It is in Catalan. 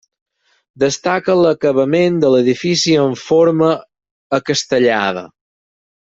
Destaca l'acabament de l'edifici en forma acastellada.